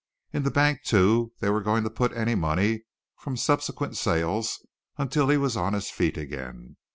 In the bank, too, they were going to put any money from subsequent sales until he was on his feet again.